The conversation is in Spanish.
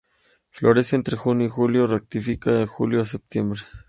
Florece entre junio y julio y fructifica de julio a septiembre.